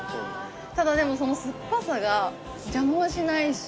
ただでもその酸っぱさが邪魔をしないし。